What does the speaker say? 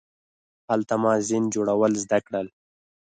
هلته ما زین جوړول زده کړل.